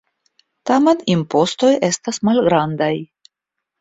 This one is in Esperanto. Tamen, impostoj estas malgrandaj.